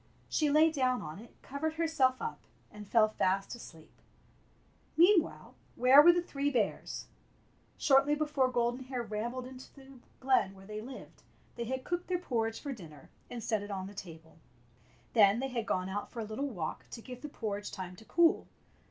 She lay down on it, covered herself up, and fell fast asleep. Meanwhile, where were the three bears? Shortly before Golden Hair rambled into the glen where they lived, they had cooked their 8 Fairy Tale Bears porridge for dinner and set it on the table. Then they had gone out for a little walk to give the porridge time to cool.